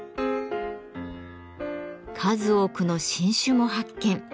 数多くの新種も発見。